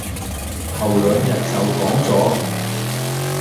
頭兩日就講咗